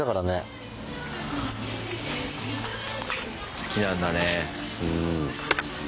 好きなんだね。